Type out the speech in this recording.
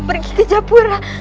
pergi ke japura